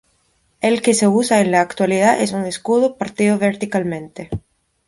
El que se usa en la actualidad es un escudo partido verticalmente.